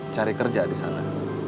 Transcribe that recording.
cari kerja di sana